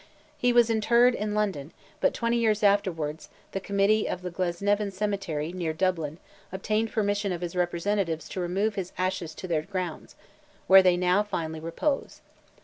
He was interred in London, but twenty years afterwards, the committee of the Glasnevin Cemetery, near Dublin, obtained permission of his representatives to remove his ashes to their grounds, where they now finally repose.